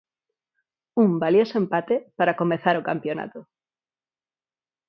Un valioso empate para comezar o campionato.